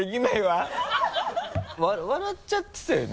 笑っちゃってたよね？